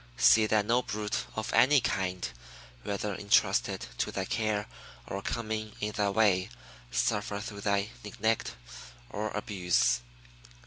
See that no brute of any kind, whether intrusted to thy care or coming in thy way, suffer through thy neglect or abuse.